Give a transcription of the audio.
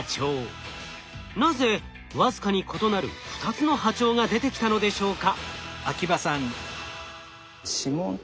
なぜ僅かに異なる２つの波長が出てきたのでしょうか？